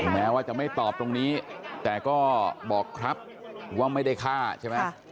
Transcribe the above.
แม้ว่าจะไม่ตอบตรงนี้แต่ก็บอกครับว่าไม่ได้ฆ่าใช่ไหม